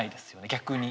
逆に。